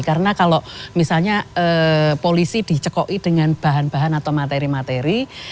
karena kalau misalnya polisi dicekoi dengan bahan bahan atau materi materi